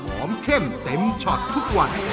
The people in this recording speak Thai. เข้มเต็มช็อตทุกวัน